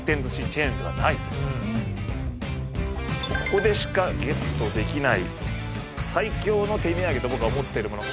ここでしかゲットできない最強の手土産と僕が思ってるもの。